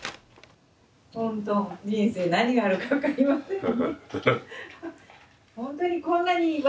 ほんと人生何があるか分かりませんね。